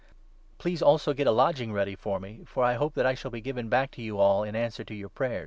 Please also get a lodging ready for me, for 22 I hope that I shall be given back to you all in answer to your prayers.